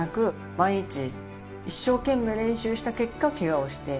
毎日一生懸命練習した結果ケガをして。